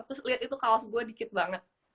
terus lihat itu kaos gue dikit banget